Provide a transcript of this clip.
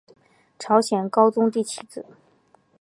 朝鲜高宗第七子。